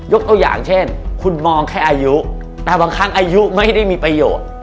ตัวอย่างเช่นคุณมองแค่อายุแต่บางครั้งอายุไม่ได้มีประโยชน์